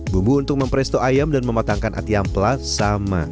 bumbu untuk mempresto ayam dan mematangkan ati ampla sama